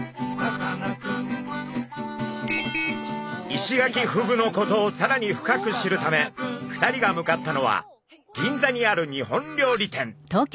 イシガキフグのことをさらに深く知るため２人が向かったのは銀座にある日本料理店。